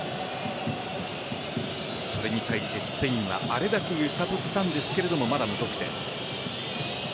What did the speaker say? それに対してスペインはあれだけ揺さぶったんですがまだ、無得点。